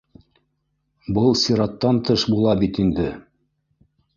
Был сираттан тыш була бит инде